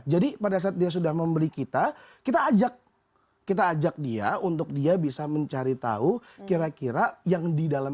jadi pada saat dia sudah membeli kita kita ajak dia untuk dia bisa mencari tahu kira kira yang di dalam